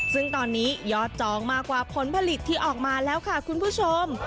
ซึ่งตอนนี้ยอดจองมากกว่าผลผลิตที่ออกมาแล้วค่ะคุณผู้ชม